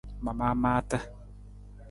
Ma maa maata.